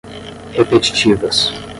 repetitivas